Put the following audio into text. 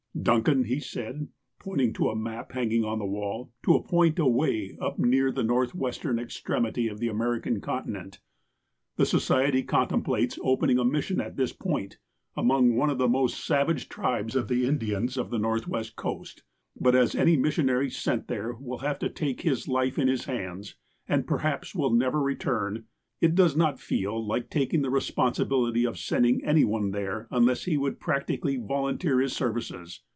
"Duncan !" said he, pointing, on a map hanging on the wall, to a point away up near the northwestern ex tremity of the American continent, '* the Society con templates opening a mission at this point, among one of the most savage tribes of the Indians of the Northwest coast, but as any missionary sent there will have to take his life in his hands, and perhaps will never return, it does not feel like taking the responsibility of sending any one there unless he would practically volunteer his serv ices.